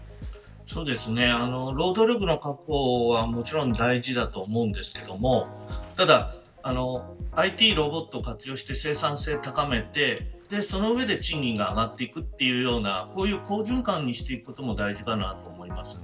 労働力の確保はもちろん大事だと思いますがＩＴやロボットを活用して生産性を高めてその上で賃金が上がっていくという好循環にしていくことも大事かなと思います。